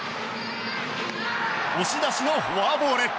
押し出しのフォアボール。